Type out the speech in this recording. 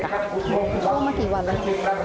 ท่วมมาสี่วันแล้ว